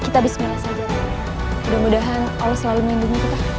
tidak apa apa raden